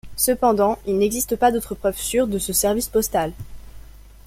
Cependant, il n'existe pas d'autre preuve sûre de ce service postal.